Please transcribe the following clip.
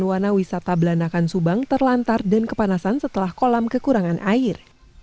wahana wisata belanakan subang terlantar dan kepanasan setelah kolam kekurangan air